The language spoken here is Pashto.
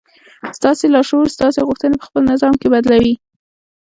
ستاسې لاشعور ستاسې غوښتنې په خپل نظام کې بدلوي.